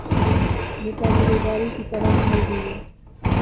متعدی بیماری کی طرح پھیل گئی ہے